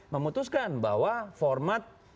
memutuskan bahwa format